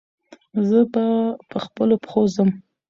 زه به پخپلو پښو ځم.